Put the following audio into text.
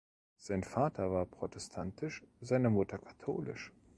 Sein Vater war protestantisch, seine Mutter katholisch.